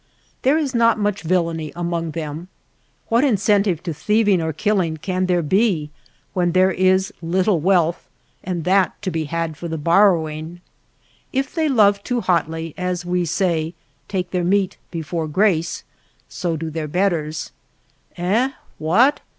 There is not much villainy among them. What in centive to thieving or killing can there be when there is little wealth and that to be had for the borrowing ! If they love too hotly, as we say " take their meat before grace," so do their betters. Eh, what!